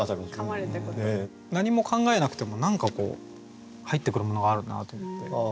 何も考えなくても何か入ってくるものがあるなと思って。